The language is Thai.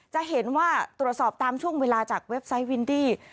จะเห็นว่าตรวจสอบตามช่วงเวลาจากเว็บไซต์วินดี้